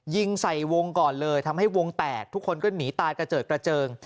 ยิงใส่วงก่อนเลยทำให้วงแตกทุกคนก็หนีตายกระเจิดกระเจิง